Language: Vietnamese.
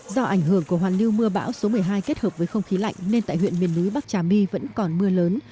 do ảnh hưởng của hoàn lưu mưa bão số một mươi hai kết hợp với không khí lạnh nên tại huyện miền núi bắc trà my vẫn còn mưa lớn